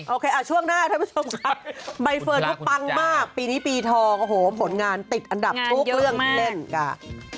โอเคช่วงหน้าทุกผู้ชมครับใบเฟิร์ดก็ปังมากปีนี้ปีทองโหผลงานติดอันดับทุกเรื่องเล่นกล้า